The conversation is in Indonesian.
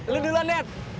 lo duluan dad